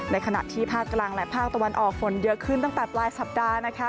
ขณะที่ภาคกลางและภาคตะวันออกฝนเยอะขึ้นตั้งแต่ปลายสัปดาห์นะคะ